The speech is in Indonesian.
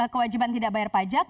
kewajiban tidak bayar pajak